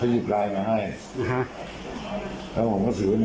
พี่ยืดลายมาพอก็ถูกแล้วก็ถูกแล้วก็เอาของผมเข้าไปนี่ห้องเข้าไปเผาอะไร